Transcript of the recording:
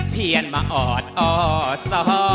เพียนมาออดอสอ